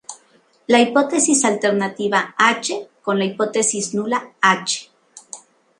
La hipótesis alternativa "H" contra la hipótesis nula "H".